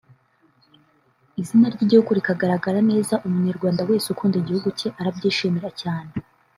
izina ry’igihugu rikagaragara neza umunyarwanda wese ukunda igihugu cye arabyishimira cyane